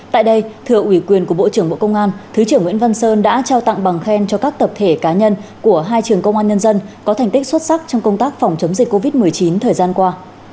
tại đây thừa ủy quyền của bộ trưởng bộ công an thứ trưởng nguyễn văn sơn đã trao tặng bằng khen cho các tập thể cá nhân của hai trường công an nhân dân có thành tích xuất sắc trong công tác phòng chống dịch covid một mươi chín thời gian qua